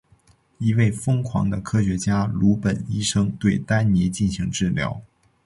一位疯狂的科学家鲁本医生对丹尼进行治疗。